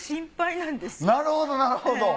なるほどなるほど。